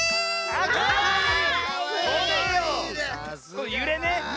こうゆれね。